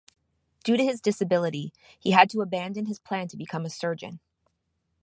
Due to his disability, he had to abandon his plan to become a surgeon.